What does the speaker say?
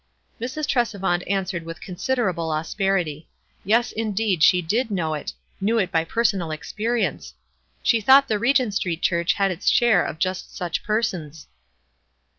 Mrs. Tresevant answered with considerable asperity. Yes, indeed, she did know it — knew it by personal experience. She thought the Eegent Street Church had its share of just such persons.